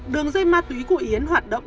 đường dây ma túy của yến hoạt động